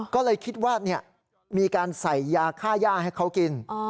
ก็เลยคิดว่ามีการใส่ยาค่าย่าให้เขากิน